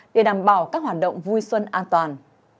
để đảm bảo các hoạt động vui xuân an toàn